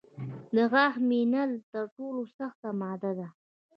د غاښ امینل تر ټولو سخته ماده ده.